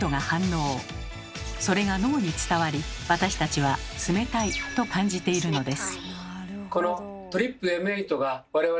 それが脳に伝わり私たちは「冷たい」と感じているのです。